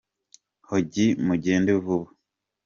Hogi mugende vuba.